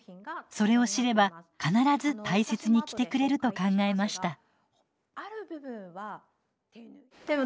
それを知れば必ず大切に着てくれると考えました。